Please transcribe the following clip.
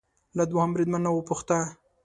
له دوهم بریدمن نه وپوښته